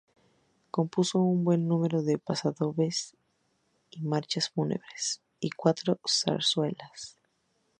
Compuso un buen número de pasodobles y marchas fúnebres y cuatro zarzuelas.